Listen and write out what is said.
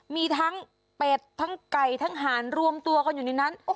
มีทั้งเป็ดทั้งไก่ทั้งหารรวมตัวกันอยู่ในนั้น